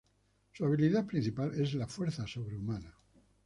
Su habilidad principal es la fuerza sobrehumana.